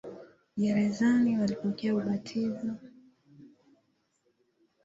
Gerezani walipokea ubatizo.